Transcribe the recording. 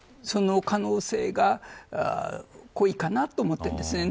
その可能性が濃いかなと思ってます。